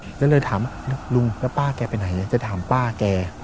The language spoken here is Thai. ก็เลยถามลุงแล้วป้าแกไปไหนจะถามป้าแก